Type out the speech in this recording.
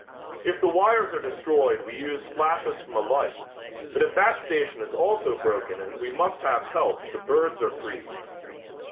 If the wires are destroyed we use flashes from a light, but if that station is also broken and we must have help the birds are freed."